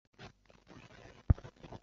我难道是一个苟且偷生的人吗？